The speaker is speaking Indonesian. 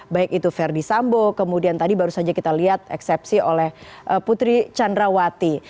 baik itu verdi sambo kemudian tadi baru saja kita lihat eksepsi oleh putri candrawati